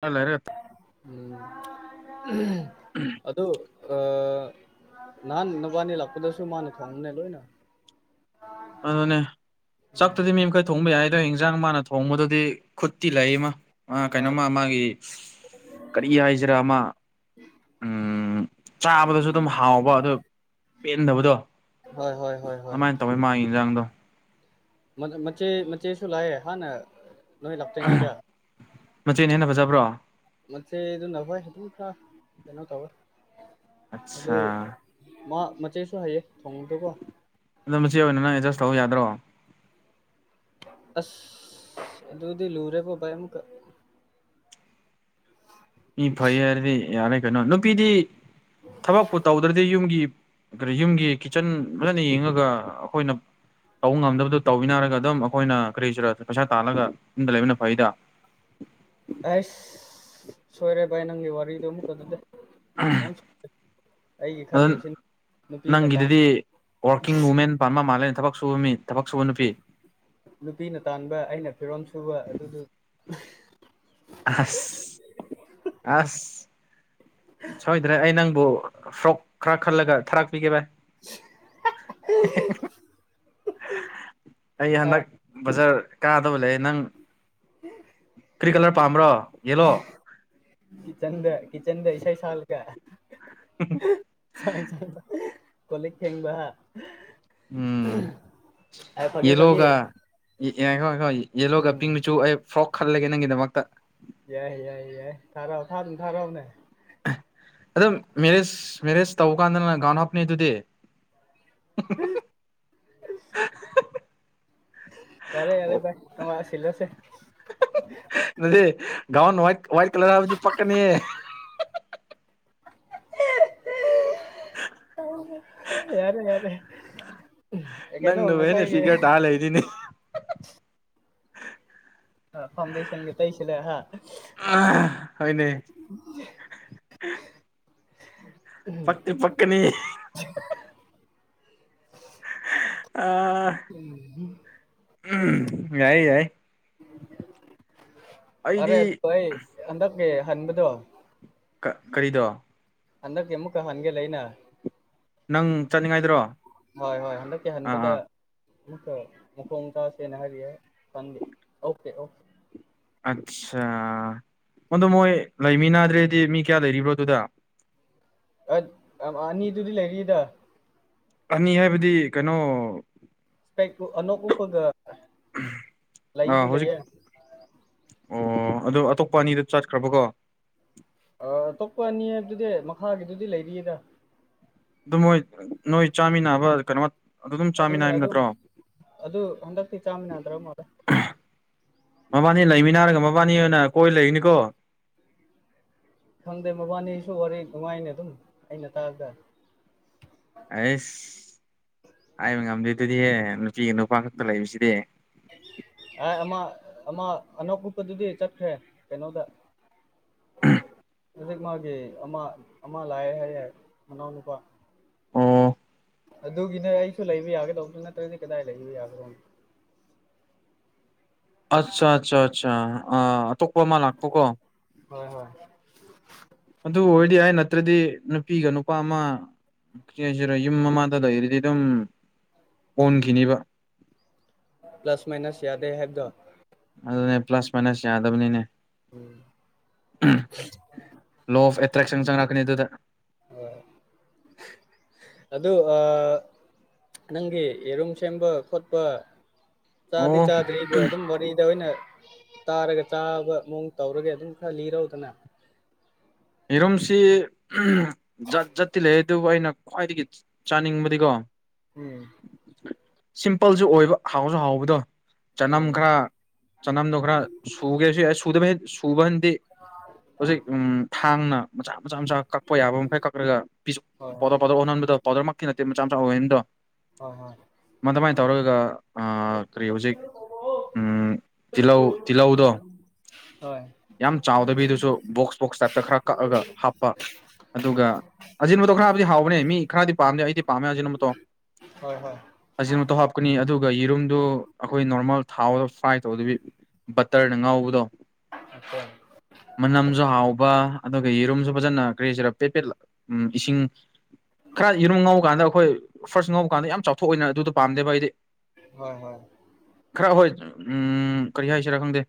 ꯈꯔ ꯂꯩꯔꯒ [unintelligible] ꯑꯗꯨ ꯅꯍꯥꯟ ꯅꯕꯥꯅꯤ ꯂꯥꯛꯄꯗꯁꯨ ꯃꯥꯅ ꯈꯪꯕꯅꯦ ꯂꯣꯏꯅ ꯑꯗꯨꯅꯦ ꯆꯥꯛꯇꯨꯗꯤ ꯃꯤ ꯃꯈꯩ ꯊꯣꯡꯕ ꯌꯥꯏꯗꯣ ꯏꯟꯖꯥꯡ ꯃꯥꯅ ꯊꯣꯡꯕꯗꯨꯗꯤ ꯈꯨꯠꯇꯤ ꯂꯩꯃ ꯃꯥ ꯍꯣꯏ ꯀꯩꯅꯣꯝꯃ ꯃꯥꯒꯤ ꯀꯔꯤ ꯍꯥꯏꯁꯤꯔꯥ ꯃꯥ ꯎꯝ ꯆꯥꯕꯗꯁꯨ ꯑꯗꯨꯝ ꯍꯥꯎꯕ ꯑꯗ ꯄꯦꯟꯗꯕꯗꯣ ꯍꯣꯏ ꯍꯣꯏ ꯍꯣꯏ ꯍꯣꯏ ꯇꯧꯕꯣꯏ ꯃꯥꯒꯤ ꯌꯦꯟꯖꯥꯡꯗꯣ ꯃꯆꯦ ꯃꯆꯦꯁꯨ ꯂꯥꯛꯑꯦ ꯍꯥꯟꯅ ꯅꯣꯏ ꯂꯞꯇꯦꯡꯉꯥꯏꯗ ꯃꯆꯦꯅ ꯍꯦꯟꯅ ꯐꯖꯕ꯭ꯔꯣ ꯃꯦ ꯑꯗꯨ ꯅ ꯍꯣꯏ ꯑꯗꯨꯝ ꯈꯔ ꯀꯩꯅꯣ ꯇꯧꯋꯦ ꯑꯗꯨ ꯑꯠꯆꯥꯥ ꯃꯥ ꯃꯆꯦꯁꯨ ꯍꯥꯏꯩꯌꯦ ꯊꯣꯡꯗꯀꯣ ꯑꯗꯨꯝ ꯃꯆꯦꯕ ꯑꯣꯏꯅ ꯅꯪ ꯑꯦꯗꯖꯁ ꯇꯧꯕ ꯌꯥꯗ꯭ꯔꯣ ꯑꯁ ꯑꯗꯨꯗꯤ ꯂꯔꯦꯕꯣꯄ ꯑꯃꯨꯛ ꯏ ꯐꯩ ꯍꯥꯏꯔꯗꯤ ꯌꯥꯔꯦ ꯀꯩꯅꯣ ꯅꯨꯄꯤꯗꯤ ꯊꯕꯛꯄꯨ ꯇꯧꯗ꯭ꯔꯗꯤ ꯌꯨꯝꯒꯤ ꯀ ꯌꯨꯝꯒꯤ ꯀꯤꯠꯆꯟ ꯐꯖꯅ ꯌꯦꯡꯉꯒ ꯑꯩꯈꯣꯏꯅ ꯇꯧꯕ ꯉꯝꯗꯕꯗꯨꯣ ꯇꯧꯕꯤꯅꯔꯒ ꯑꯗꯨꯝ ꯑꯩꯈꯣꯏꯅ ꯀꯔꯤꯁꯤꯔ ꯄꯩꯁꯥ ꯇꯥꯜꯂꯒ ꯌꯨꯝꯗ ꯂꯩꯕꯟꯅ ꯐꯩꯗ ꯑꯩꯁ ꯁꯣꯏꯔꯦ ꯚꯥꯏ ꯅꯪꯒꯤ ꯋꯥꯔꯤꯗꯣ ꯑꯃꯨꯛꯀ ꯑꯗꯨꯗ ꯑ ꯌꯥꯝ ꯑꯩꯒꯤ ꯑꯗ ꯈꯜꯂꯤꯕꯁꯤꯅ ꯅꯨꯄꯤꯅ ꯇꯥꯟ ꯅꯪꯒꯤꯗꯗꯤ ꯋꯥꯔꯀꯤꯡ ꯋꯨꯃꯦꯟ ꯅꯨꯄꯥ ꯃ ꯃꯥꯜꯂꯅ ꯊꯕꯛ ꯁꯨꯕ ꯃꯤ ꯊꯕꯛ ꯁꯨꯕ ꯅꯨꯄꯤ ꯅꯨꯄꯤꯅ ꯇꯥꯟꯕ ꯑꯩꯅ ꯐꯤꯔꯣꯝ ꯁꯨꯕ ꯑꯗꯨꯗꯨ ꯑꯁ ꯑꯁ ꯁꯣꯏꯗ꯭ꯔꯦ ꯑꯩ ꯅꯪꯕꯨ ꯐ꯭ꯔꯣꯛ ꯈꯔ ꯈꯜꯂꯒ ꯊꯥꯔꯥꯛꯄꯤꯒꯦ ꯚꯥꯏ ꯑꯩ ꯑꯦ ꯍꯟꯗꯛ ꯕꯖꯥꯔ ꯀꯥꯗꯕ ꯂꯩꯦ ꯅꯪ ꯀ꯭ꯔꯤ ꯀꯂꯔ ꯄꯥꯝꯕ꯭ꯔꯣ ꯌꯦꯂꯣ ꯀꯆꯟꯗ ꯀꯆꯟꯗꯩꯁ ꯁꯜ ꯀ ꯆꯥꯡ ꯆꯪꯕ ꯀꯣꯂꯤꯛ ꯊꯦꯡꯕ ꯎꯝ ꯑꯦ ꯐꯒꯦ ꯐꯒꯦ ꯑꯦ ꯑꯦ ꯍꯣꯏ ꯍꯣꯏ ꯌꯦꯜꯂꯣꯒ ꯄꯤꯡ ꯃꯆꯨ ꯑꯩ ꯐ꯭ꯔꯣꯛ ꯈꯜꯂꯒꯦ ꯅꯪꯒꯤꯗꯃꯛꯇ ꯌꯥꯏ ꯌꯥꯏ ꯌꯥꯏ ꯊꯥꯔꯛꯑꯣ ꯊꯥ ꯊꯥꯔꯛꯎꯅꯦ ꯑꯗꯨꯝ ꯃꯦꯔꯦꯖ ꯃꯦꯔꯦꯖ ꯇꯧꯕ ꯀꯥꯟꯗꯅ ꯒꯥꯎꯟ ꯍꯥꯞꯅꯤꯩ ꯑꯗꯨꯗꯤ ꯎꯝ ꯌꯥꯔꯦ ꯌꯥꯔꯦ ꯥꯏ ꯑ ꯋꯥ ꯁꯤꯂꯁꯦ ꯗꯤ ꯒꯥꯎꯟ ꯋꯥꯏꯠ ꯋꯥꯏꯠ ꯀꯂꯔ ꯍꯥꯏꯕꯗꯤ ꯄꯛꯀꯅꯤꯌꯦ ꯎ ꯌꯥꯔꯦ ꯌꯥꯔꯦ ꯅꯪ ꯀꯩꯅꯣ ꯅꯦꯅꯦ ꯉꯁꯥꯏꯒꯤ ꯁꯤꯤꯒꯔ ꯍꯥꯥꯜ ꯂꯩꯗꯅꯤ ꯑ ꯐꯥꯎꯟꯗꯦꯁꯟꯒꯤ ꯇꯁꯤꯅ ꯍꯥ ꯍꯣꯏꯅꯦ ꯎꯝ ꯄꯛ ꯄꯀꯅꯤ [unintelligible] ꯑ ꯌꯥꯏ ꯌꯥꯏ ꯑꯩꯗꯤ ꯍꯟꯗꯛꯀꯦ ꯍꯟꯕꯗꫭ ꯀ ꯀꯔꯤꯗꯣ꯫ ꯍꯟꯗꯛꯀꯤ ꯑꯃꯨꯛꯀ ꯍꯟꯒꯦ ꯂꯩꯅ꯫ ꯅꯪ ꯆꯠꯅꯤꯡꯉꯥꯏꯗꯨꯔꯣ ꯑꯥ ꯍꯣꯏ ꯍꯣꯏ ꯍꯟꯗꯛꯀꯤ ꯍꯟꯕꯗ ꯑꯥ ꯑꯃꯨꯛꯀ ꯃꯈꯣꯡ ꯆꯥꯁꯦꯅ ꯍꯥꯏꯔꯤꯌꯦ ꯈꯟꯗꯦ ꯑꯣꯀꯦ ꯑꯣꯀꯦ꯫ ꯑꯠꯆꯥ ꯑꯗꯣ ꯃꯣꯏ ꯂꯩꯃꯤꯟꯅꯥꯗ꯭ꯔꯗꯤ ꯃꯤ ꯀꯌꯥ ꯂꯩꯔꯤꯕ꯭ꯔꯣ ꯑꯗꯨꯗ꯫ ꯑꯠ ꯎꯝ ꯑꯅꯤꯗꯨꯗꯤ ꯂꯩꯔꯤꯗ꯫ ꯑꯅꯤ ꯍꯥꯏꯕꯗꯤ ꯀꯩꯅꯣ ꯀꯩ ꯀꯨ ꯑꯅꫭꯠ ꯎꯞꯄꯒ ꯂꯩꯗꯨ ꯑꫭ ꯍꯧꯖꯤꯛ ꯂꯩꯌꯦ ꯑꯣ ꯑꯗꫭ ꯑꯇꯣꯞꯄ ꯑꯅꯤꯗꯨ ꯆꯠꯈ꯭ꯔꯕꯀꯣ꯫ ꯑ ꯑꯇꯣꯞꯄ ꯑꯅꯤ ꯑꯗꯨꯗꯤ ꯃꯈꯥꯒꯤꯗꯨꯗꯤ ꯂꯩꯔꯤꯌꯦꯗ꯫ ꯑꯗꯨ ꯃꯣꯏ ꯅꯣꯏ ꯆꯥꯃꯤꯟꯅꯕ ꯀꯩꯅꯣ ꯑꯗꯨ ꯑꯗꯨꯝ ꯑꯗꯨꯅꯦ ꯆꯥꯃꯤꯟꯅꯩꯕ ꯑꯗꯨꯝ ꯅꯠꯇ꯭ꯔꯣ ꯑꯗꯨ ꯍꯟꯗꯛꯇꯤ ꯆꯥꯃꯤꯟꯅꯗ꯭ꯔ ꯃꯥꯜꯂꯦ꯫ ꯃꯕꯥꯅꯤ ꯂꯩꯃꯤꯟꯅꯔꯒ ꯃꯕꯥꯅꯤ ꯑꯣꯏꯅ ꯀꯣꯏ ꯂꯩꯒꯅꯤꯀꯣ꯫ ꯈꯪꯗꯦ ꯃꯕꯥꯅꯤꯁꯨ ꯋꯥꯔꯤ ꯅꯨꯡꯉꯥꯏꯅꯦ ꯑꯗꯨꯝ ꯑꯩꯅ ꯇꯥꯕꯗ꯫ ꯑꯩꯁ ꯍꯥꯏꯕ ꯉꯝꯗꯦ ꯑꯗꯨꯗꯤꯍꯦ ꯅꯨꯄꯤꯒ ꯅꯨꯄꯥ ꯈꯛꯇ ꯂꯩꯕꯁꯤꯗꯤ꯫ ꯍꯥꯏ ꯑꯃ ꯑꯃ ꯑꯅꫭꯠ ꯎꯞꯄꯗꯨꯗꯤ ꯆꯠꯈ꯭ꯔꯦ ꯀꯩꯅꯣꯗ꯫ ꯍꯧꯖꯤꯛ ꯃꯥꯒꯤ ꯑꯃ ꯑꯃ ꯂꯥꯛꯑꯦ ꯍꯥꯏꯌꯦ ꯃꯅꯥꯎꯅꯨꯄꯥ꯫ ꯑꯣ ꯑꯗꯨꯒꯤꯅꯦ ꯑꯩꯁꯨ ꯂꯩꯕ ꯌꯥꯒꯦ ꯇꯧꯕꯗꯨ ꯅꯠꯇ꯭ꯔꯗꯤ ꯀꯗꯥꯏ ꯂꯩꯕ ꯌꯥꯒꯗꯧꯅꫭ꯫ ꯑꯆꯥ ꯆꯥ꯫ ꯆꯥ ꯑꯇꯣꯛꯄ ꯑꯃ ꯂꯥꯛꯄꯀꯣ꯫ ꯍꯣꯏ-ꯍꯣꯏ꯫ ꯑꯗꯨ ꯑꯣꯏꯔꯗꯤ ꯑꯩ ꯅꯠꯇ꯭ꯔꯗꯤ ꯅꯨꯄꯤꯒ ꯅꯨꯄꯥ ꯑꯃ ꯀꯩ ꯍꯥꯏꯁꯤꯔꯦ ꯌꯨꯝ ꯑꯃꯥꯗ ꯂꯩꯔꯗꯤ ꯑꯗꯨꯝ ꯑꯣꯟꯈꯤꯅꯤꯕ꯫ ꯄ꯭ꯂꯁ ꯃꯥꯏꯅꯁ ꯌꯥꯗꯦ ꯍꯥꯏꯕꯗꫭ꯫ ꯑꯗꯨꯅꯦ ꯄ꯭ꯂꯁ ꯃꯥꯏꯅꯁ ꯌꯥꯗꯕꯅꯤꯅꯦ꯫ ꯎꯝ꯫ [unintelligible] ꯂꯣ ꯑꯣꯐ ꯑꯦꯇ꯭ꯔꯦꯛꯁꯟ ꯆꯪꯉꯛꯀꯅꯤ ꯑꯗꯨꯗ꯫ ꯍꫭꯏ ꯑꯗꯨ ꯑꯥ ꯅꯪꯒꯤ ꯌꯦꯔꯨꯝ ꯁꯦꯝꯕ ꯈꯣꯠꯄ ꯆꯥꯗꯤ ꯑꯣ ꯆꯥꯗ꯭ꯔꯤꯗꯣ ꯑꯗꯨꯝ ꯋꯥꯔꯤꯗ ꯑꯣꯏꯅ ꯇꯥꯔꯒ ꯆꯥꯕ ꯃꯑꯣꯡ ꯇꯧꯔꯒꯦ ꯑꯗꯨꯝ ꯈꯔ ꯂꯤꯔꯧꯗꯅ꯫ ꯌꯦꯔꯨꯝꯁꯤ ꯖꯥꯠ ꯖꯥꯠꯇꯤ ꯂꯩ ꯑꯗꯨꯕꯨ ꯑꯩꯅ ꯈ꯭ꯋꯥꯏꯗꯒꯤ ꯆꯥꯅꯤꯡꯕꯗꯤꯀꯣ ꯎꯝ꯫ ꯁꯤꯝꯄꯜꯁꯨ ꯑꯣꯏꯕ ꯍꯥꯎꯁꯨ ꯍꯥꯎꯕꯗꯣ꯫ ꯆꯅꯝ ꯎꯝ ꯈꯔ ꯆꯅꯝꯗꯣ ꯈꯔ ꯁꯨꯒꯦꯁꯨ ꯌꯥꯏ ꯁꯨꯗꯕ ꯍꯦꯛ ꯁꯨꯕꯅꯗꯤ ꯍꯧꯖꯤꯛ [inaudible] ꯎꯝ ꯊꯥꯡꯅ ꯃꯆꯥ ꯃꯆꯥ ꯃꯆꯥ ꯀꯛꯄ ꯌꯥꯕ ꯃꯈꯩ ꯀꯛꯔꯒ ꯄꯤꯁ ꯍꯣꯏ ꯄꯣꯗꯧ-ꯄꫭꯗꯧ ꯑꯣꯟꯍꯟꯕꯗꫭ ꯄꯥꯎꯗꯔꯃꯛꯇꯤ ꯅꯠꯇꯦ ꯃꯆꯥ ꯃꯆꯥ ꯑꯣꯏꯍꯟꯕꯗꫭ꯫ ꯍꯣꯏ-ꯍꯣꯏ꯫ ꯃꯗꯨꯃꯥꯏꯅ ꯇꯧꯔꯒ ꯑꯥ ꯀꯔꯤ ꯍꯧꯖꯤꯛ ꯎꯝ ꯇꯤꯜꯍꯧ ꯇꯤꯜꯍꯧꯗꯣ꯫ ꯍꯣꯏ꯫ ꯌꯥꯝ ꯆꯥꯎꯗꯕꯤꯗꯨꯁꯨ ꯕꯣꯛꯁ ꯕꯣꯛꯁꯇ ꯇ ꯈꯔ ꯀꯛꯑꯒ ꯍꯥꯞꯄ ꯑꯗꯨꯒ ꯍꯣꯏ ꯑꯖꯤꯟꯕꯗꯣ ꯈꯔꯕꯨꯗꯤ ꯍꯥꯎꯕꯅꯦ ꯃꯤ ꯈꯔꯗꯤ ꯄꯥꯝꯗꯦ ꯑꯩꯗꯤ ꯄꯥꯝꯃꯦ ꯑꯖꯤꯅꯃꯇꯣ ꯍꯣꯏ ꯎꯝ ꯍꯣꯏ ꯍꯣꯏ ꯑꯖꯤꯟꯃꯇꫭ ꯍꯥꯞ ꯀꯅꯤ ꯑꯗꯨꯒ ꯌꯦꯔꯨꯝꯗꯨ ꯑꯈꯣꯏ ꯅꯣꯔꯃꯦꯜ ꯊꯥꯎꯗ ꯐ꯭ꯔꯥꯏ ꯇꯧꯗꯕꯤ ꯕꯇꯔꯅ ꯉꯧꯕꯗꯣ ꯑꯆꯥ ꯃꯅꯝꯁꯨ ꯍꯥꯎ ꯕꯥ ꯑꯗꯨꯒ ꯌꯦꯔꯨꯝꯁꯨ ꯐꯖꯅ ꯀꯔꯤꯍꯩꯁꯤꯔꯥ ꯄꯦꯠ-ꯄꯦꯠ ꯎꯝ ꯏꯁꯤꯡ ꯈꯔꯥ ꯌꯦꯔꯨꯝ ꯉꯧꯕ ꯀꯥꯟꯗ ꯑꯈꯣꯏ ꯐꯥꯔꯁ ꯉꯧꯕ ꯀꯥꯟꯗ ꯌꯥꯝ ꯆꯥꯎꯊꯣꯛꯑꯣꯏꯅ ꯑꯗꯨꯗꯣ ꯄꯥꯝꯗꯦꯕ ꯑꯩꯗꯤ꯫ ꯍꯣꯏ ꯍꯣꯏ ꯈꯔ ꯍꯣꯏ ꯎꯝ ꯀꯔꯤ ꯍꯥꯏꯁꯤꯔꯥ ꯈꯪꯗꯦ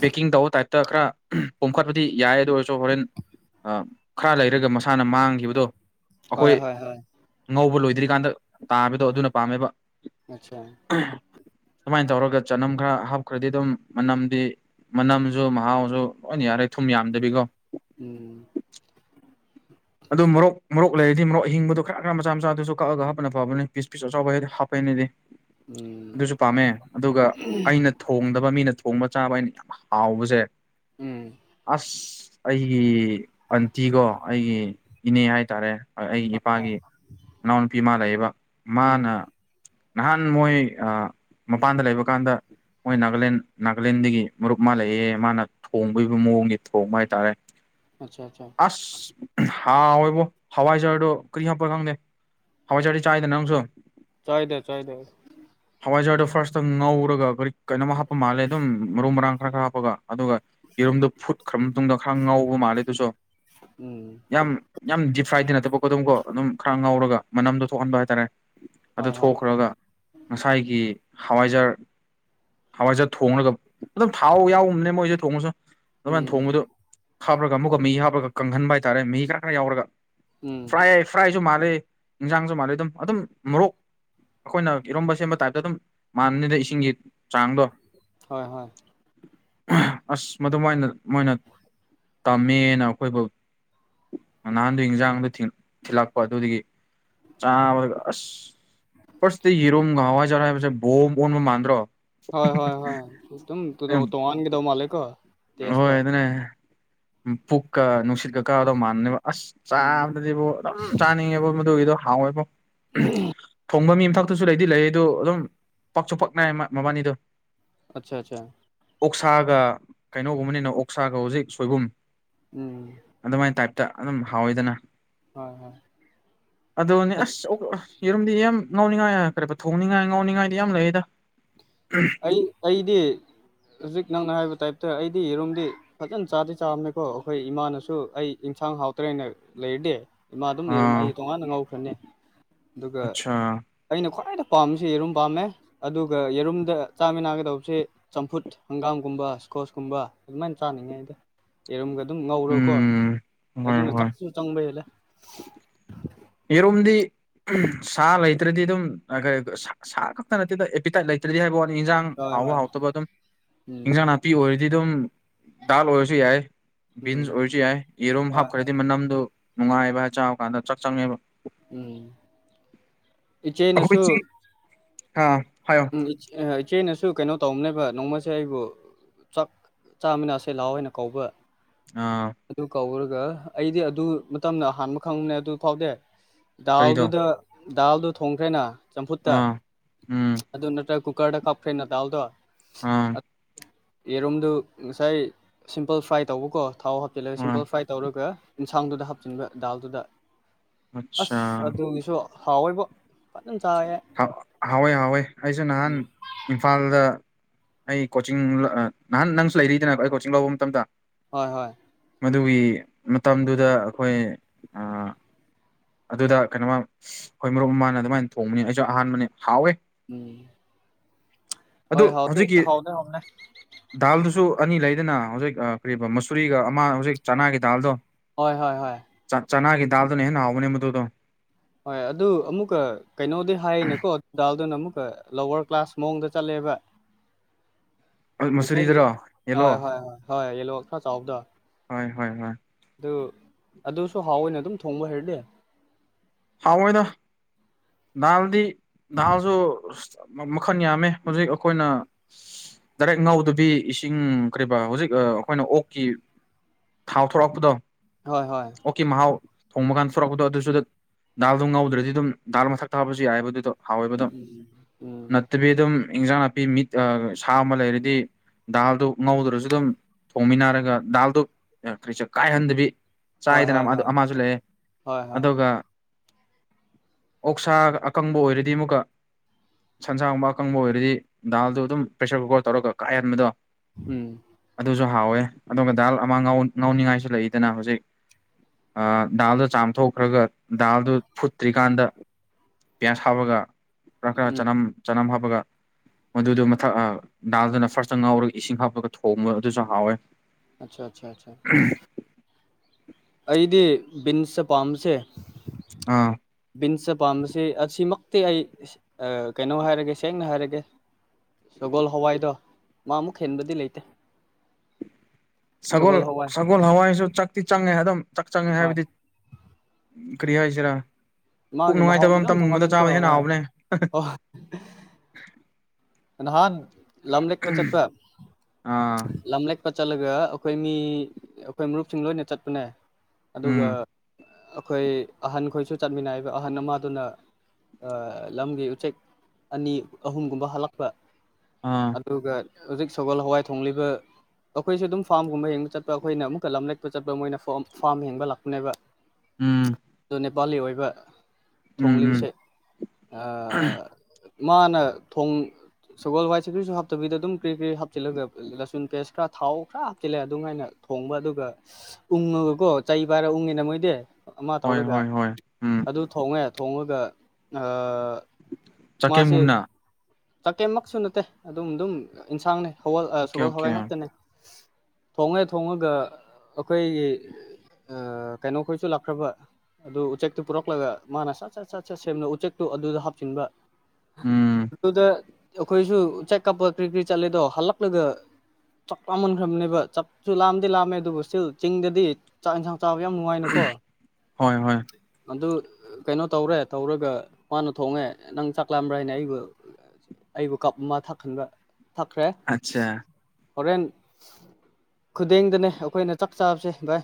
ꯕꯦꯀꯤꯡ ꯇꯧꯕ ꯇꯥꯏꯞꯇ ꯈꯔ ꯄꯣꯝꯈꯠꯄꯗꯤ ꯌꯥꯏ ꯑꯗꯨꯗ ꯑꯣꯏ ꯑꯆꯣ ꯍꯣꯔꯦꯟ ꯈꯔ ꯂꯩꯔꯒ ꯃꯁꯥꯅ ꯃꯥꯡꯈꯤꯕꯗꯣ ꯑꯩꯈꯣꯏ ꯍꯣꯏ ꯍꯣꯏ ꯍꯣꯏ ꯉꯧꯕ ꯂꯣꯏꯗ꯭ꯔꯤꯀꯥꯟꯗ ꯇꯥꯕꯗꯣ ꯑꯗꯨꯅ ꯄꯥꯝꯃꯦꯕ ꯑꯆꯥ ꯁꯨꯃꯥꯏꯅ ꯇꯧꯔꯒ ꯆꯅꯝ ꯈ꯭ꯔ ꯍꯥꯞꯈ꯭ꯔꯗꯤ ꯑꯗꯨꯝ ꯃꯅꯝꯗꯤ ꯃꯅꯝꯁꯨ ꯃꯍꯥꯎꯁꯨ ꯂꯣꯏꯅ ꯌꯥꯔꯦ ꯊꯨꯝ ꯌꯥꯝꯗꯕꯤꯀꯣ ꯎꯝ ꯑꯗꯨ ꯃꯣꯔꯣꯛ ꯃꯔꯣꯔꯣꯛ ꯂꯩꯔꯗꯤ ꯃꯔꯣꯔꯣꯛ ꯑꯤꯡꯕꯗꯣ ꯈꯔ ꯈꯔ ꯃꯆꯥ ꯃꯆꯥꯗꯨꯁꯨ ꯀꯛꯑꯒ ꯍꯥꯞꯅ ꯐꯕꯅꯦ ꯄꯤꯁ ꯄꯤꯁ ꯑꯆꯧꯕ ꯍꯥꯏꯗꯤ ꯐꯩꯅꯦꯗꯤ ꯎꯝ ꯑꯗꯨꯁꯨ ꯄꯥꯝꯃꯦ ꯑꯗꯨꯒ ꯑꯩꯅ ꯊꯣꯡꯗꯕ ꯃꯤꯅ ꯊꯣꯡꯕ ꯆꯥꯕ ꯑꯩꯅ ꯌꯥꯝ ꯍꯥꯎꯕꯁꯦ ꯎꯝ ꯑꯁ ꯑꯩꯒꯤ ꯑꯟꯇꯤꯒꯣ ꯑꯩꯒꯤ ꯏꯅꯦ ꯍꯥꯏꯇꯥꯔꯦ ꯑꯩꯒꯤ ꯍꯣꯏ ꯍꯣꯏ ꯏꯄꯥꯒꯤ ꯏꯅꯥꯎꯅꯨꯄꯤ ꯃꯥ ꯂꯩꯕ ꯎꯝ ꯃꯥꯅ ꯅꯍꯥꯟ ꯃꯣꯏ ꯃꯄꯥꯟꯗ ꯂꯩꯕ ꯀꯥꯟꯗ ꯃꯣꯏ ꯅꯥꯒꯥꯂꯦꯟ ꯅꯥꯒꯥꯂꯦꯟꯗꯒꯤ ꯃꯔꯨꯞ ꯃꯥ ꯂꯩꯑꯦ ꯃꯥꯅ ꯊꯣꯡꯕꯒꯤꯕ ꯃꯑꯣꯡꯒꯤ ꯊꯣꯡꯕ ꯍꯥꯏꯇꯥꯔꯦ ꯑꯆꯥ ꯑꯆꯥ ꯑꯁ ꯍ ꯍꯣꯏꯕꯨ ꯍꯋꯥꯏꯖꯔꯗꯣ ꯀꯔꯤ ꯍꯥꯞꯄ ꯈꯪꯗꯦ ꯍꯋꯥꯏꯖꯥꯔꯗꯤ ꯆꯥꯏꯗꯅꯪꯁꯨ ꯆꯥꯏꯗ ꯆꯥꯏꯗ [unintelligible] ꯍꯋꯥꯏꯖꯥꯔꯗꯣ ꯐꯥꯔꯁꯇꯝ ꯉꯧꯔꯒ ꯀꯔꯤ ꯀꯩꯅꯣꯝ ꯍꯥꯞꯄ ꯃꯥꯜꯂꯦ ꯑꯗꯨꯝ ꯃꯔꯨ ꯃꯔꯥꯡ ꯈꯔ ꯈꯔ ꯍꯥꯞꯄꯒ ꯑꯗꯨꯒ ꯌꯦꯔꯨꯝꯗꯣ ꯐꯨꯠꯈ꯭ꯔ ꯃꯇꯨꯡꯗ ꯈꯔ ꯉꯥꯎꯧꯕ ꯃꯥꯜꯂꯦ ꯑꯗꯨꯁꯨ ꯎꯝ ꯌꯥꯝ ꯌꯥꯝ ꯗꯤꯞ ꯐ꯭ꯔꯥꯏꯗꯤ ꯅꯠꯇꯕ ꯀ ꯑꯗꯨꯝ ꯀꯣ ꯑꯗꯨꯝ ꯈꯔ ꯉꯥꯎꯔꯒ ꯃꯅꯝꯗꯣ ꯊꯣꯛꯍꯟꯕ ꯍꯥꯏꯇꯥꯔꯦ ꯑꯗꯨ ꯍꯣꯏ ꯍꯣꯏ ꯊꯣꯛꯈ꯭ꯔꯒ ꯉꯁꯥꯏꯒꯤ ꯍꯋꯥꯏꯖꯔ ꯍꯋꯥꯏꯁꯦ ꯊꯣꯡꯂꯒ ꯑꯗꯨꯝ ꯊꯥꯎ ꯌꯥꯎꯕꯅꯦ ꯃꯣꯏꯁꯦ ꯊꯣꯡꯉꯁꯨ ꯑꯗꯨꯃꯥꯏꯅ ꯎꯝ ꯊꯣꯡꯕꯗꯨ ꯍꯥꯞꯂꯒ ꯑꯃꯨꯛꯀ ꯃꯍꯤ ꯍꯥꯞꯄꯒ ꯀꯪꯍꯟꯕ ꯍꯥꯏꯇꯥꯔꯦ ꯃꯍꯤ ꯈꯔ ꯈꯔ ꯌꯥꯎꯔꯒ ꯎꯝ ꯐ꯭ꯔꯥꯏ ꯐ꯭ꯔꯥꯏꯁꯨ ꯃꯥꯜꯂꯤꯦ ꯏꯟꯁꯥꯡꯁꯨ ꯃꯥꯜꯂꯤ ꯑꯗꯨꯝ ꯑꯗꯨꯝ ꯃꯣꯔꯣꯛ ꯑꯩꯈꯣꯏꯅ ꯏꯔꯣꯝꯕ ꯁꯦꯝꯕ ꯇꯥꯏꯞꯇ ꯑꯗꯨꯝ ꯃꯥꯟꯅꯤꯗ ꯏꯁꯤꯡꯒꯤ ꯆꯥꯡꯗꯣ ꯍꯣꯏ ꯍꯣꯏ ꯑꯁ ꯃꯗꯨꯃꯥꯏꯅ ꯃꯣꯏꯅ ꯇꯝꯃꯦꯅ ꯑꯩꯈꯣꯏꯕꯨ ꯅꯍꯥꯟꯗꯨ ꯏꯟꯖꯥꯡꯗ ꯊꯤꯜꯂꯛꯄ ꯑꯗꯨꯗꯒꯤ ꯆꯥꯕꯒ ꯑꯁ ꯐꯥꯁꯇ ꯌꯦꯔꯣꯝꯒ ꯍꯋꯥꯏ ꯆꯔ ꯍꯥꯏꯦ ꯕꯣꯝ ꯑꯣꯟꯕ ꯃꯥꯟꯗ꯭ꯔꯣ ꯍꯣꯏ ꯍꯣꯏ ꯍꯣꯏꯝ ꯇ ꯇꯣꯉꯥꯟꯒꯗ ꯃꯥꯂꯀꯣ ꯍꯣꯏ ꯑꯗꯨꯅꯦ ꯄꯨꯛꯀ ꯅꯨꯡꯁꯤꯠꯀ ꯀꯥꯗꯧ ꯃꯥꯟꯅꯅꯦꯕ ꯑꯁ ꯆꯥꯕꯗꯗꯤꯕꯨ ꯑꯗꯨꯝ ꯆꯥꯅꯤꯡꯉꯦꯕ ꯃꯗꯨꯒꯤꯗꯣ ꯍꯥꯎꯋꯦꯕ ꯎꯝ ꯊꯣꯡꯕ ꯃꯤ ꯑꯃꯊꯛꯇꯁꯨ ꯂꯩꯗꯤ ꯂꯩ ꯑꯗꯨ ꯑꯗꯨꯝ ꯄꯥꯛꯁꯨ ꯄꯛ ꯏ ꯃꯕꯥꯥꯅꯤꯗꯣ ꯑꯆꯥ ꯑꯆꯥ ꯑꯣꯛꯁꯥꯒ ꯀꯩꯅꯣꯒꯨꯝꯕꯅꯤꯅ ꯑꯣꯛꯁꯥꯒ ꯍꯧꯖꯤꯛ ꯁꯣꯏꯕꯨꯝ ꯎꯝ ꯑꯗꯨꯃꯥꯏꯅ ꯇꯥꯏꯞꯇ ꯑꯗꯨꯝ ꯍꯥꯎꯋꯤꯗꯅ ꯍꯣꯏ ꯍꯣꯏ ꯑꯗꯨꯅꯦ ꯑꯁ ꯌꯦꯔꯨꯝꯗꯤ ꯌꯥꯝ ꯉꯥꯎꯅꯤꯡꯉꯥꯏ ꯀꯔꯤꯣ ꯊꯣꯡꯅꯤꯡꯉꯥꯏ ꯉꯥꯎꯅꯤꯡꯉꯥꯏꯗꯤ ꯌꯥꯝ ꯂꯩꯌꯦꯗ ꯑꯩ ꯑꯩꯗꯤ ꯍꯧꯖꯤꯛ ꯅꯪꯅ ꯍꯥꯏꯕ ꯇꯥꯏꯞꯇ ꯑꯩꯗꯤ ꯌꯦꯔꯨꯝꯝꯗꯤ ꯐꯖꯅ ꯆꯥꯗꯤꯦ ꯆꯥꯝꯅꯦꯀꯣ ꯑꯩꯈꯣꯏ ꯏꯃꯥꯅꯁꯨ ꯑꯩ ꯌꯦꯟꯁꯥꯡ ꯍꯥꯎꯇ꯭ꯔꯦꯅ ꯂꯩꯔꯗꯤꯦ ꯏꯃꯥ ꯑꯗꯨꯝ ꯂꯩꯔꯝ ꯑꯥ ꯑꯩ ꯇꯣꯉꯥꯟꯅ ꯉꯧꯈ꯭ꯔꯅꯤ ꯑꯗꯨꯒ ꯑꯠꯆꯥ ꯑꯩꯅ ꯈ꯭ꯋꯥꯏꯗ ꯄꯥꯝꯕꯁꯤ ꯌꯦꯔꯨꯝ ꯄꯥꯝꯃꯦ ꯑꯗꯨꯒ ꯌꯦꯔꯨꯝꯗ ꯆꯥꯃꯤꯟꯅꯒꯗꯧꯕꯁꯦ ꯆꯝꯐꯨꯠ ꯍꯪꯒꯥꯝꯒꯨꯝꯕ ꯏꯁꯀꯣꯁꯀꯨꯝꯕ ꯑꯗꯨꯃꯥꯏꯅ ꯆꯥꯅꯤꯡꯉꯥꯏ ꯑꯩꯗꯤ ꯌꯦꯔꯨꯝꯒ ꯑꯗꯨꯝ ꯉꯧꯔꯣꯀꯣ ꯎꯝ ꯍꯣꯏ ꯑꯗꯨꯅ ꯍꯣꯏ ꯆꯥꯛꯁꯨ ꯆꯪꯕ ꯍꯦꯜꯂꯦ ꯌꯦꯔꯣꯝꯗꯤ ꯁꯥ ꯂꯩꯇ꯭ꯔꯗꯤ ꯑꯗꯨꯝ ꯁꯥ ꯈꯛꯇ ꯅꯠꯇꯦꯗ ꯑꯦꯄꯤꯇꯥꯏꯠ ꯇ꯭ꯔꯗꯤ ꯍꯥꯏꯕ ꯋꯥꯅꯤ ꯏꯟꯖꯥꯡ ꯍꯣꯏ ꯍꯥꯎꯕ ꯍꯣꯏ ꯍꯥꯎꯇꯕ ꯑꯗꯨꯝ ꯎꯝ ꯏꯟꯖꯥꯡ ꯅꯥꯄꯤ ꯑꯣꯏꯔꯗꯤ ꯑꯗꯨꯝ ꯗꯥꯜ ꯑꯣꯏꯔꯁꯨ ꯌꯥꯏ ꯎꯝ ꯕꯤꯟꯁ ꯑꯣꯏꯔꯁꯨ ꯌꯥꯏ ꯌꯦꯔꯨꯝ ꯍꯣꯏ ꯍꯣꯏ ꯍꯥꯞꯈ꯭ꯔꯗꯤ ꯃꯅꯝꯗꯨ ꯅꯨꯡꯉꯥꯏꯕ ꯆꯥꯎ ꯀꯥꯟꯗ ꯆꯥꯛ ꯆꯪꯉꯦꯕ ꯎꯝ ꯏꯆꯦꯅꯁꯨ ꯑ ꯍ ꯎꯝ ꯏꯆꯦꯅꯁꯨ ꯀꯩꯅꯣ ꯇꯧꯕꯅꯦꯕ ꯅꯣꯡꯃꯁꯦ ꯑꯩꯕꯨ ꯆꯥꯛ ꯆꯥꯃꯤꯅꯥꯁꯦ ꯂꯥꯛꯑꯣ ꯍꯥꯏꯅ ꯀꯧꯕ ꯑꯥꯎ ꯑꯗꯨ ꯀꯧꯔꯒ ꯑꯩꯗꯤ ꯑꯗꯨ ꯃꯇꯝꯅ ꯑꯍꯥꯟꯕ ꯈꯪꯕꯅꯦ ꯑꯗꯨ ꯐꯥꯎꯗꯤ ꯀꯔꯤꯗꯣ ꯗꯥꯜꯗꯨꯗ ꯗꯥꯜꯗꯨ ꯊꯣꯡꯈ꯭ꯔꯦꯅ ꯆꯝꯐꯨꯠꯇ ꯑꯥ ꯎꯝ ꯑꯗꯨ ꯅꯠꯇ꯭ꯔꯒ ꯀꯨꯀꯔꯗ ꯀꯥꯞꯈ꯭ꯔꯦꯅ ꯗꯥꯎꯗꯣ ꯎꯝ ꯌꯦꯔꯨꯝꯗꯨ ꯉꯁꯥꯏ ꯁꯤꯝꯄꯜ ꯐ꯭ꯔꯥꯏ ꯇꯧꯕꯀꯣ ꯊꯥꯎꯍꯥꯞ ꯑꯥ ꯁꯤꯝꯄꯜ ꯐ꯭ꯔꯥꯏ ꯇꯧꯔꯒ ꯌꯦꯟꯁꯥꯡꯗꯨꯗ ꯍꯥꯞꯆꯤꯟꯕ ꯗꯥꯜꯗꯨꯗ ꯑꯠꯆꯥ ꯑꯁ ꯑꯗꯨꯒꯤꯁꯨ ꯍꯥꯎꯋꯦꯕꯨ ꯐꯖꯅ ꯆꯥꯔꯦ ꯍꯥꯎꯋꯦ ꯍꯥꯎꯋꯦ ꯑꯩꯁꯨ ꯅꯍꯥꯟ ꯏꯝꯐꯥꯜꯗ ꯑꯩ ꯀꯣꯆꯤꯡ ꯅꯍꯥꯟ ꯅꯪꯁꯨ ꯂꯩꯔꯤꯗꯅꯥ ꯑꯩ ꯀꯣꯆꯤꯡ ꯂꯧꯕ ꯃꯇꯝꯗ ꯍꯣꯏ ꯍꯣꯏ ꯃꯗꯨꯒꯤ ꯃꯇꯝꯗꯨꯗ ꯑꯩꯈꯣꯏ ꯑꯥ ꯑꯗꯨꯗ ꯀꯩꯅꯣꯃꯥ ꯑꯈꯣꯏ ꯃꯔꯨꯞ ꯃꯃꯅ ꯑꯗꯨꯃꯥꯏꯅ ꯊꯣꯡꯕꯅꯤ ꯑꯩꯁꯨ ꯑꯍꯥꯟꯕꯅꯦ ꯍꯥꯎꯋꯦ ꯎꯝ ꯑꯗꯨ ꯍꯣꯏ ꯍꯥꯎꯗꯤ ꯍꯧꯖꯤꯛꯀꯤ ꯍꯥꯎꯗꯤ ꯍꯥꯎꯕꯅꯦ ꯗꯥꯜꯗꯨꯁꯨ ꯑꯅꯤ ꯂꯩꯗꯅ ꯍꯧꯖꯤꯛ ꯑꯥ ꯀꯔꯤꯕꯥ ꯃꯁꯨꯔꯤꯒ ꯑꯃ ꯍꯧꯖꯤꯛ ꯆꯅꯥꯒꯤ ꯗꯥꯜꯗꯣ ꯍꯣꯏ ꯍꯣꯏ ꯆꯅꯥꯒꯤ ꯗꯥꯜꯗꯨꯅ ꯍꯦꯟꯅ ꯍꯥꯎꯕꯅꯦ ꯃꯗꯨꯗꯣ ꯍꯣꯏ ꯑꯗꯨ ꯑꯃꯨꯛꯀꯥ ꯀꯩꯅꯣꯗꯤ ꯍꯥꯏꯅꯦꯀꯣ ꯗꯥꯜꯗꯨꯅ ꯑꯃꯨꯛꯀ ꯂꯋꯥꯔ ꯀ꯭ꯂꯥꯁ ꯃꯑꯣꯡꯗ ꯆꯠꯂꯦꯕ [unintelligible] ꯉꯁꯥꯏꯒꯤ ꯃꯁꯨꯔꯤꯗꯔꯣ ꯌꯦꯜꯂꯣ ꯍꯣꯏ ꯍꯣꯏ ꯍꯣꯏ ꯍꯣꯏ ꯌꯦꯂꯣ ꯈꯔꯥ ꯆꯥꯎꯕꯗꯣ ꯍꯣꯏ ꯍꯣꯏ ꯍꯣꯏ ꯑꯗꯨ ꯑꯗꯨꯁꯨ ꯍꯥꯎꯋꯦꯅꯦ ꯑꯗꯨꯝ ꯊꯣꯡꯕ ꯍꯩꯔꯗꯤ ꯍꯥꯎꯋꯦꯗꯥ ꯗꯥꯜꯗꯤ ꯗꯥꯜꯁꯨ ꯃꯈꯟ ꯌꯥꯝꯃꯦ ꯍꯧꯖꯤꯛ ꯑꯈꯣꯏꯅ ꯗꯥꯏꯔꯦꯛ ꯉꯧꯗꯕꯤ ꯏꯁꯤꯡ ꯀꯔꯤꯕ ꯍꯧꯖꯤꯛ ꯑꯩꯈꯣꯏꯅ ꯑꯣꯛꯀꯤ ꯊꯥꯎ ꯊꯣꯛꯂꯛꯄꯗꯣ ꯍꯣꯏ ꯍꯣꯏ ꯑꯣꯛꯀꯤ ꯃꯍꯥꯎ ꯊꯣꯡꯕ ꯀꯥꯟꯗ ꯊꯣꯔꯛꯄꯗꯣ ꯑꯗꯨꯁꯨ ꯗꯥꯜꯗꯣ ꯉꯧꯗ꯭ꯔꯗꯤ ꯑꯗꯨꯝ ꯗꯥꯜ ꯃꯊꯛꯇꯥ ꯍꯥꯞꯄꯁꯨ ꯌꯥꯏꯌꯦꯕ ꯑꯗꯨꯗꯣ ꯍꯥꯎꯋꯦꯕ ꯑꯗꯨꯝ ꯎꯝ ꯅꯠꯇꯕꯤ ꯑꯗꯨꯝ ꯏꯟꯖꯥꯡ ꯅꯥꯄꯤ ꯃꯤꯠ ꯁꯥ ꯑꯃ ꯂꯩꯔꯗꯤ ꯗꯥꯜꯗꯨ ꯉꯧꯗ꯭ꯔꯁꯨ ꯑꯗꯨꯝ ꯊꯣꯡꯃꯤꯟꯅꯔꯒ ꯗꯥꯜꯗꯨ ꯀꯔꯤꯁꯨ ꯀꯥꯏꯍꯟꯗꯕꯤ ꯍꯣꯏ ꯆꯥꯏꯗꯅ ꯍꯣꯏ ꯍꯣꯏ ꯑꯃꯁꯨ ꯂꯩꯑꯦ ꯍꯣꯏ ꯍꯣꯏ ꯑꯗꯨꯒ ꯑꯣꯛꯁꯥꯒ ꯑꯀꯪꯕ ꯑꯣꯏꯔꯗꯤ ꯑꯃꯨꯛꯀꯥ ꯁꯟꯁꯥꯡ ꯒꯨꯝꯥ ꯑꯀꯪꯕ ꯑꯣꯏꯔꯗꯤ ꯗꯥꯜꯗꯣ ꯑꯗꯨꯝ ꯄ꯭ꯔꯦꯁꯔ ꯀꯨꯀꯔ ꯇꯧꯔꯒ ꯀꯥꯏꯍꯟꯕꯗꯣ ꯎꯝ ꯑꯗꯨꯁꯨ ꯍꯥꯎꯋꯦ ꯑꯗꯨꯒ ꯗꯥꯜ ꯑꯃ ꯉꯥꯎꯅꯤꯡꯉꯥꯏꯁꯨ ꯂꯩꯗꯅ ꯍꯧꯖꯤꯛ ꯗꯥꯜꯗꯨ ꯆꯥꯝꯊꯣꯛꯈ꯭ꯔꯒ ꯗꯥꯜꯗꯨ ꯐꯨꯠꯇ꯭ꯔꯤꯀꯥꯟꯗ ꯄꯤꯌꯥꯁ ꯍꯥꯞꯄꯒ ꯈꯔ ꯈꯔ ꯎꯝ ꯆꯥꯅꯝ ꯆꯥꯅꯝ ꯍꯥꯞꯄꯒ ꯃꯗꯨꯗꯣ ꯃꯊꯛ ꯗꯥꯜꯗꯅ ꯐꯥꯔꯁꯇ ꯉꯥꯎꯔꯒ ꯏꯁꯤꯡ ꯍꯥꯞꯄꯒ ꯊꯣꯡꯕ ꯑꯗꯨꯁꯨ ꯍꯥꯎꯋꯦ ꯑꯆꯥ ꯑꯆꯥ ꯑꯆꯥ ꯎꯝ ꯑꯩꯗꯤ ꯕꯤꯟꯁꯇꯤ ꯄꯥꯝꯕꯁꯦ ꯑꯥ ꯕꯤꯟꯁꯇ ꯄꯥꯝꯕꯁꯦ ꯑꯁꯤꯃꯛꯇꯤ ꯑꯩ ꯀꯩꯅꯣ ꯍꯥꯏꯔꯒꯦ ꯁꯦꯡꯅ ꯍꯥꯏꯔꯒꯦ ꯁꯒꯣꯜ ꯍꯋꯥꯏꯗꯣ ꯃꯥꯃꯨꯛ ꯍꯦꯟꯕꯗꯤ ꯂꯩꯇꯦ ꯁꯒꯣꯜ ꯁꯒꯣꯜ ꯍꯋꯥꯏꯁꯨ ꯆꯥꯛꯛꯇꯤ ꯆꯪꯉꯦ ꯑꯗꯨꯝ ꯆꯥꯛ ꯆꯪꯉꯦ ꯍꯣꯏ ꯍꯥꯏꯕꯗꯤ ꯀꯔꯤ ꯍꯥꯏꯁꯤꯔꯥ ꯄꯨꯛ ꯃꯥꯒꯤ ꯅꯨꯡꯉꯥꯏꯇꯕ ꯃꯍꯥꯎꯗꯣ ꯌꯥꯝ ꯑꯃꯇꯒꯨꯝꯕꯗ ꯇꯣꯡꯉꯥꯜꯂꯤꯀꯣ ꯆꯥꯕ ꯍꯦꯟꯅ ꯍꯣꯏ ꯍꯥꯎꯕꯅꯦ ꯍꯣꯏ ꯅꯍꯥꯟ ꯂꯝꯂꯦꯛꯄ ꯆꯠꯄ ꯑꯥ ꯂꯝꯂꯦ ꯐꯠ ꯆꯠꯂꯒ ꯑꯩꯈꯣꯏ ꯃꯤ ꯑꯩꯈꯣꯏ ꯃꯔꯨꯞꯁꯤꯡ ꯂꯣꯏꯅ ꯆꯠꯄꯅꯦ꯫ ꯑꯗꯨꯒ ꯎꯝ ꯑꯩꯈꯣꯏ ꯑꯍꯟ ꯈꯣꯏꯁꯨ ꯆꯠꯃꯤꯟꯅꯕ ꯑꯍꯟ ꯑꯃꯗꯨꯅ ꯂꯝꯒꯤ ꯎꯆꯦꯛ ꯑꯅꯤ ꯑꯍꯨꯝꯒꯨꯝꯕ ꯍꯜꯂꯛꯄ [unintelligible] ꯑꯥ ꯑꯗꯨꯒ ꯍꯧꯖꯤꯛ ꯁꯒꯣꯜ ꯍꯋꯥꯏ ꯊꯣꯡꯂꯤꯕ ꯑꯩꯈꯣꯏꯖꯨ ꯑꯗꯨꯝ ꯐꯥꯝꯒꯨꯝꯕ ꯌꯦꯡꯕ ꯆꯠꯄ ꯑꯩꯈꯣꯏꯅ ꯑꯃꯨꯛ ꯂꯝꯂꯛꯇ ꯆꯠꯄ ꯃꯣꯏꯅꯝ ꯐꯥꯝ ꯌꯦꯡꯕ ꯂꯥꯛꯄꯅꯦꯕ꯫ ꯎꯝ꯫ ꯑꯗꯨ ꯅꯦꯄꯥꯂꯤ ꯑꯣꯏꯕ ꯎꯝ ꯎꯝ ꯊꯣꯡꯂꯤꯕꯁꯦ ꯑ ꯃꯥꯅ ꯊꯣꯡ ꯁꯒꯣꯜ ꯋꯥꯏ ꯁꯒꯔꯤꯁꯨ ꯍꯥꯞꯇꯕꯤꯗ ꯑꯗꯨꯝ ꯀꯔꯤ ꯀꯔꯤ ꯍꯥꯞꯆꯤꯜꯂꯒ ꯂꯥꯆꯟ ꯄꯦꯁ ꯈꯔ ꯊꯥꯎ ꯈꯔ ꯍꯥꯞꯆꯜꯂꯦ ꯑꯗꯨꯝꯥꯏꯅ ꯊꯣꯡꯕ ꯑꯗꯨꯒ ꯎꯪꯉꯒꯀꯣ ꯆꯩ ꯄꯥꯏꯔ ꯎꯪꯉꯦꯅ ꯃꯣꯏꯗꯤ ꯑꯃ ꯍꯣꯏ ꯇꯧꯔꯒ ꯍꯣꯏ ꯍꯣꯏ ꯎꯝ ꯑꯗꯨ ꯊꯣꯡꯉꯦ ꯊꯣꯉꯒ ꯑ ꯆꯥꯀꯦꯝꯒꯨꯝꯅ ꯆꯀꯦꯝꯃꯛꯁꯨ ꯅꯠꯇꯦ ꯑꯗꯨꯝ ꯑꯗꯨꯝ ꯏꯟꯖꯥꯡꯅꯦ ꯑꯣꯀꯦ ꯁꯒꯣꯜ ꯑꯣꯀꯦ ꯍꯋꯥꯏ ꯉꯥꯛꯇꯅꯦ꯫ ꯊꯣꯉꯦ ꯊꯣꯡꯉꯒ ꯑꯩꯈꯣꯏꯒꯤ ꯀꯩꯅꯣꯈꯣꯏꯁꯨ ꯂꯥꯛꯈ꯭ꯔꯕ꯫ ꯑꯗꯨ ꯎꯆꯦꯛꯇꯨ ꯄꯨꯔꯛꯂꯒ ꯃꯥꯅ ꯁꯠ ꯁꯠ ꯁꯠ ꯁꯠ ꯁꯦꯝꯅ ꯎꯆꯦꯛꯇꯣ ꯑꯗꯨꯗ ꯍꯥꯞꯆꯤꯟꯕ꯫ ꯎꯝ꯫ ꯑꯗꯨꯗ ꯑꯩꯈꯣꯏꯁꯨ ꯆꯦꯛ ꯀꯞꯄ ꯀꯔꯤ ꯀꯔꯤ ꯆꯠꯂꯦꯗꯣ ꯍꯜꯂꯛꯂꯒ ꯆꯥꯛ ꯂꯥꯝꯃꯟꯈ꯭ꯔꯕꯅꯦꯕ ꯆꯥꯛꯁꯨ ꯂꯥꯝꯗꯤ ꯂꯥꯝꯃꯦ ꯑꯗꯨꯕꯨ ꯁꯇꯤꯜ ꯆꯤꯡꯗꯗꯤ ꯆꯥꯛ ꯏꯟꯁꯥꯡ ꯆꯥꯕ ꯌꯥꯝ ꯅꯨꯡꯉꯥꯏꯅꯀꯣ ꯍꯣꯏ ꯍꯣꯏ ꯑꯗꯨ ꯀꯩꯅꯣ ꯇꯧꯔꯦ ꯇꯧꯔꯒ ꯃꯥꯅ ꯊꯣꯡꯉꯦ ꯅꯪ ꯆꯥꯛꯂꯝꯝꯕ꯭ꯔ ꯍꯥꯏꯅꯦ ꯑꯩꯕꯨ ꯑꯩꯕꯨ ꯀꯞ ꯑꯃ ꯊꯛꯟꯕ ꯊꯛꯈ꯭ꯔꯦ ꯑꯠꯆꯥ ꯍꯣꯔꯦꯟ ꯈꯨꯗꯡꯗꯅꯦ ꯑꯩꯈꯣꯏꯅ ꯆꯞ ꯆꯥꯕꯁꯦ ꯚꯥꯏ꯫